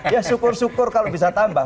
ya syukur syukur kalau bisa tambah